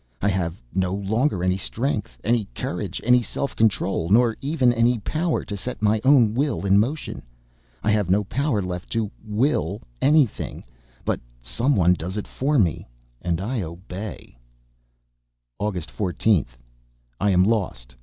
I have no longer any strength, any courage, any self control, nor even any power to set my own will in motion. I have no power left to will anything, but someone does it for me and I obey. August 14th. I am lost!